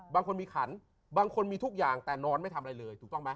บางคนมีขันบางคนมีทุกอย่างแต่นอนไม่ทำอะไรเลยถูกต้องไหม